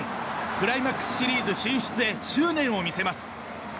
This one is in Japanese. クライマックスシリーズ進出へ執念を見せます。